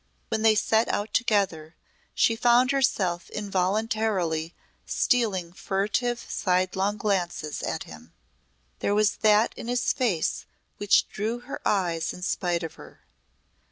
When they set out together she found herself involuntarily stealing furtive sidelong glances at him. There was that in his face which drew her eyes in spite of her.